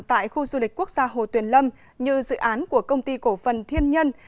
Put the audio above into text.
tại khu du lịch quốc gia hồ tuyền lâm như dự án của công ty cổ phần thiên nhân